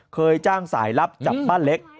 เคยจ้างสายลับจับป้าเล็ก